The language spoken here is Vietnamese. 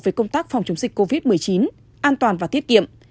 về công tác phòng chống dịch covid một mươi chín an toàn và tiết kiệm